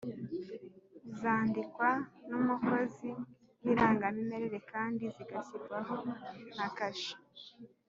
Zandikwa n’umukozi w’irangamimerere kandi zigashyirwaho na kashe